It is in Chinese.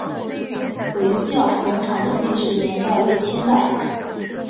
回教坟场的历史年代为清代。